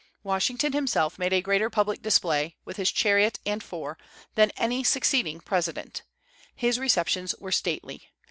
Washington himself made a greater public display, with his chariot and four, than any succeeding president. His receptions were stately.